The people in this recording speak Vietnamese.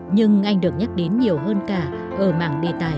nhưng anh được nhắc đến nhiều hơn cả ở mảng đề tài